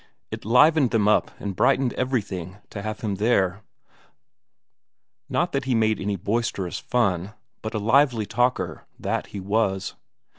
It livened them up and brightened everything to have him there; not that he made any boisterous fun, but a lively talker, that he was.